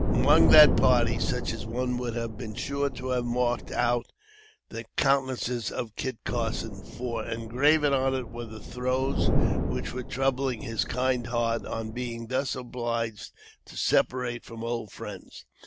Among that party, such a one would have been sure to have marked out the countenance of Kit Carson; for, engraven on it were the throes which were troubling his kind heart on being thus obliged to separate from old friends.